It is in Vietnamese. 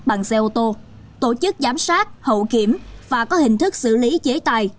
bằng xe ô tô tổ chức giám sát hậu kiểm và có hình thức xử lý chế tài